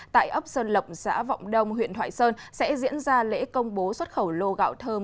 tại ấp sơn lộng xã vọng đông huyện thoại sơn sẽ diễn ra lễ công bố xuất khẩu lô gạo thơm